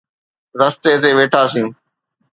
رستي تي ويٺاسين.